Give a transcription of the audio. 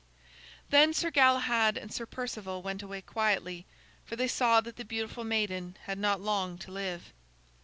Then Sir Galahad and Sir Perceval went away quietly, for they saw that the beautiful maiden had not long to live.